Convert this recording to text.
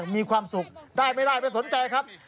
มีความสุขได้ไม่ได้ไม่สนใจครับ